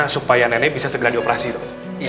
supaya nenek bisa segera dioperasi dong